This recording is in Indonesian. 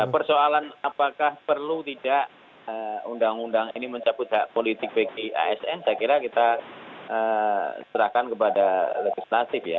persoalan apakah perlu tidak undang undang ini mencabut hak politik bagi asn saya kira kita serahkan kepada legislatif ya